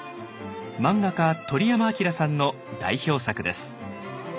漫画家鳥山明さんの代表作です。